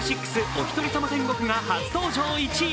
「おひとりさま天国」が初登場１位。